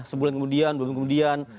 sebulan kemudian bulan kemudian